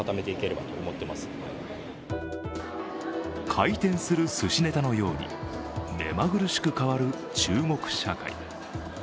回転するすしネタのように、目まぐるしく変わる中国社会。